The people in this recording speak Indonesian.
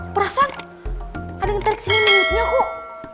perasaan ada yang tarik selimutnya kok